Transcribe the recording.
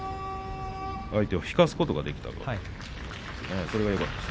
相手を引かすことができたわけです。